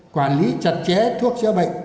quản lý chặt chẽ thuốc chữa bệnh